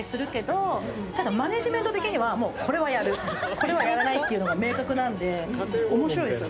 これはやらないっていうのが明確なんで面白いですよ